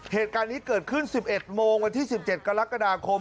เหตุการณ์นี้เกิดขึ้น๑๑โมงวันที่๑๗กรกฎาคม